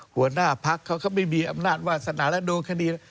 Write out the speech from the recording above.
หัวหน้าพักเขาก็ไม่มีอำนาจวาสนาและโดนคดี